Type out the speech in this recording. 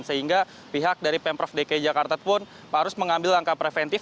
sehingga pihak dari pemprov dki jakarta pun harus mengambil langkah preventif